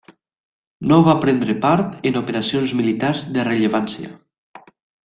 No va prendre part en operacions militars de rellevància.